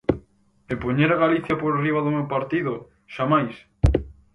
E poñer a Galicia por riba do meu partido, ¡xamais!